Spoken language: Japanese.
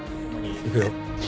行くよ。